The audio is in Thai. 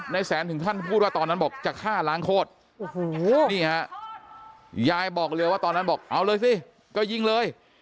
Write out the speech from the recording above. ในแสนถึงพ่อนั้นบอกจะฆ่าล้างโคตรนะยายบอกเรียวว่าตอนนั้นบอกเอาเลยสิก็ยิงเลย